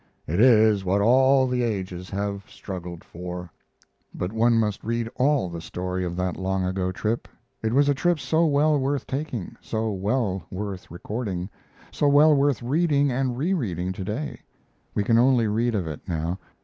It is what all the ages have struggled for. But one must read all the story of that long ago trip. It was a trip so well worth taking, so well worth recording, so well worth reading and rereading to day. We can only read of it now.